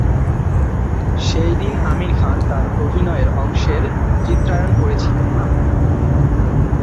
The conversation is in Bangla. সেই দিন আমির খান তাঁর অভিনয়ের অংশের চিত্রায়ন করেছিলেন।